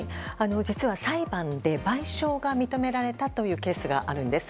実は裁判で賠償が認められたというケースがあるんです。